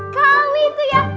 kau itu ya